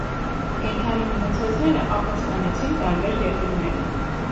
Կենդանի մնացածները ապաստանեցին տարբեր երկրներում։